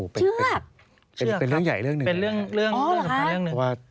เป็นเรื่องใหญ่เรื่องหนึ่ง